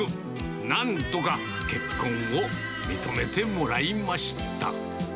なんとか結婚を認めてもらいました。